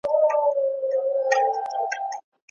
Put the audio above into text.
هغه د کړوپې ملا سره بېرته خپل پخواني ځای ته ستنه شوه.